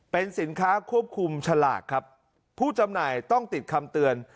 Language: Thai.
เป็นสินค้าควบคุมฉลากครับผู้จำหน่ายต้องติดคำเตือน